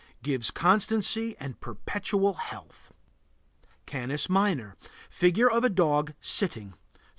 Gives constancy and perpetual health. CANIS MINOR. Figure of a dog, sitting.